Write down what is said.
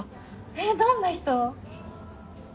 えどんな人？